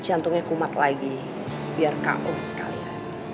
b jantungnya kumat lagi biar kaus kalian